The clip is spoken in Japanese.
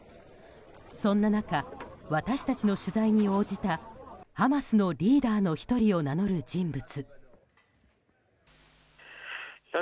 そんな中、私たちの取材に応じたハマスのリーダーの１人を名乗る人物。